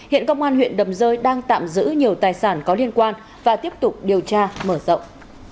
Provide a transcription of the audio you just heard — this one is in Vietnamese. hiện công an huyện đầm rơi đang tạm giữ nhiều tài sản có liên quan và tiếp tục điều tra mở rộng